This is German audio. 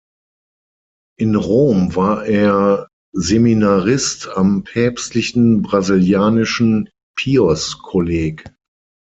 In Rom war er Seminarist am Päpstlichen Brasilianischen Pius-Kolleg.